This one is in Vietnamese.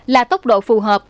là tốc độ phù hợp